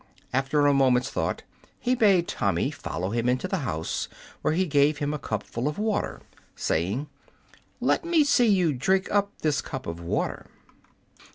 After a moment's thought he bade Tommy follow him into the house, where he gave him a cupful of water, saying, "Let me see you drink up this cup of water."